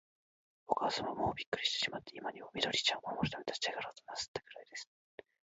おかあさまは、もうびっくりしてしまって、今にも、緑ちゃんを守るために立ちあがろうとなすったくらいです。